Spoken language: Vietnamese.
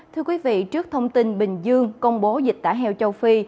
thưa quý vị trước thông tin bình dương công bố dịch tả heo châu phi